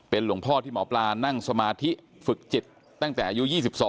หลวงพ่อที่หมอปลานั่งสมาธิฝึกจิตตั้งแต่อายุ๒๒